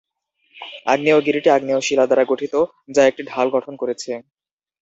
আগ্নেয়গিরিটি আগ্নেয় শিলা দ্বারা গঠিত, যা একটি ঢাল গঠন করেছে।